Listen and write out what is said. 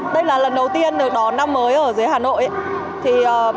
đây là lần đầu tiên được đón năm mới ở dưới hà nội